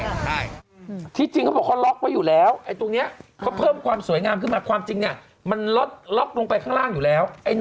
ใช่ที่จริงเขาบอกเขาล็อกไว้อยู่แล้วไอ้ตรงเนี้ยเขาเพิ่มความสวยงามขึ้นมาความจริงเนี่ยมันลดล็อกลงไปข้างล่างอยู่แล้ว